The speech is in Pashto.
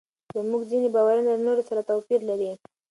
زموږ ځینې باورونه له نورو سره توپیر لري.